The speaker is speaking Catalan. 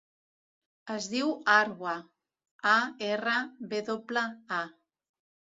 Es diu Arwa: a, erra, ve doble, a.